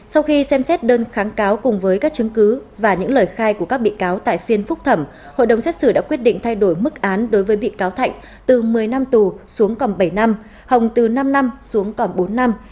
sau khi xem xét đơn kháng cáo cùng với các chứng cứ và những lời khai của các bị cáo tại phiên phúc thẩm hội đồng xét xử đã quyết định thay đổi mức án đối với bị cáo thạnh từ một mươi năm tù xuống còn bảy năm hồng từ năm năm xuống còn bốn năm